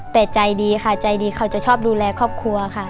แต่ใจดีค่ะใจดีเขาจะชอบดูแลครอบครัวค่ะ